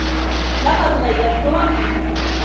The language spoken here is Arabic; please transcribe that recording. لقد غيّرت رأيي.